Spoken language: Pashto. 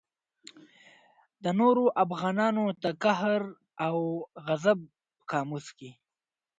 د نورو افغانانو د قهر او غضب په قاموس کې.